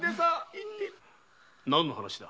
何の話だ？